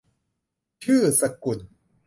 ชื่อสกุล